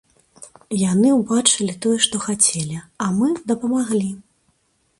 Яны ўбачылі тое, што хацелі, а мы дапамаглі!